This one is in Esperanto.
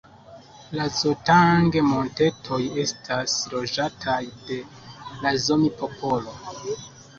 La Zotang-Montetoj estas loĝataj de la Zomi-popolo.